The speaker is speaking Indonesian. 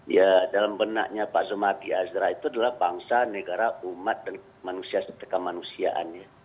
ya dalam benaknya pak zumaki azra itu adalah bangsa negara umat dan manusia serta kemanusiaan ya